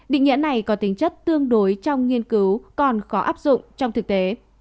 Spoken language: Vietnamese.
định nghĩa này có tính chất tương đối trong nghiên cứu còn khó áp dụng trong thực tế